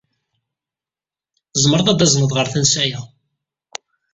Tzemred ad t-tazned ɣer tansa-a?